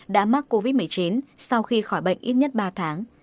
đã mắc covid một mươi chín sau khi khỏi bệnh ít nhất ba tháng